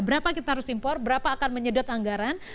berapa kita harus impor berapa akan menyedot anggaran